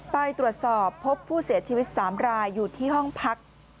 ไปตรวจสอบพบผู้เสียชีวิต๓รายอยู่ที่ห้องพัก